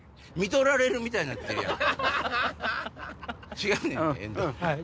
違うねんで遠藤。